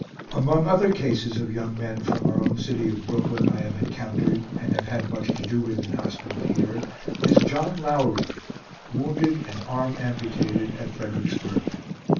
Among other cases of young men from our own city of Brooklyn I have encountered and have had much to do with in hospital here, is John Lowery, wounded, and arm amputated, at Fredericksburg.